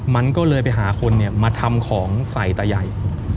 มันก็เลยไปหาคนมาทำของใส่ตาใหญ่